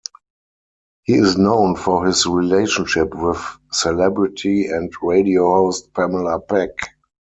He is known for his relationship with celebrity and radio host Pamela Peck.